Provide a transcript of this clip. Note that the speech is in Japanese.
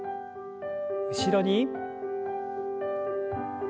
後ろに。